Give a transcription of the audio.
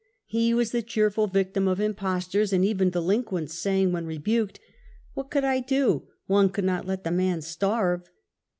He was the cheerful victim of impostors and even delinquents, saying when rebuked, " What could I do % One could not let the man starve.